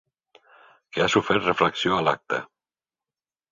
Que ha sofert refracció a l'acte.